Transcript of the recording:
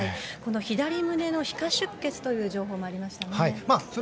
左胸に皮下出血という情報もありましたね。